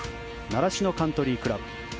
習志野カントリークラブ。